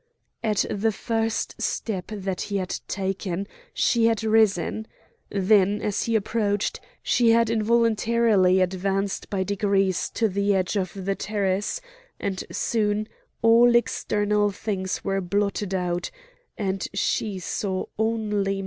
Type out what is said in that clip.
At the first step that he had taken she had risen; then, as he approached, she had involuntarily advanced by degrees to the edge of the terrace; and soon all external things were blotted out, and she saw only Matho.